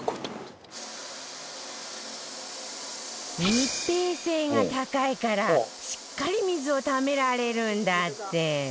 密閉性が高いからしっかり水をためられるんだって